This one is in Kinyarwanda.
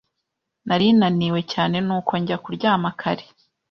Nari naniwe cyane nuko njya kuryama kare.